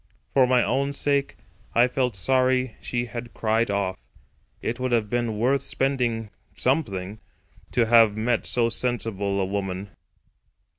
For my own sake I felt sorry she had cried off; it would have been worth something to have met so sensible a woman.